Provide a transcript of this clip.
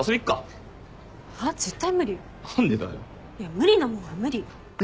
無理なものは無理。